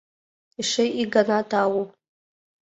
Эше ик гана тау!